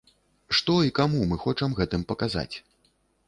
Што і каму мы хочам гэтым паказаць?